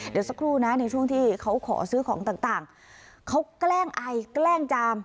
เดี๋ยวสักครู่นะในช่วงที่เขาขอซื้อของต่างเขาแกล้งไอแกล้งจาม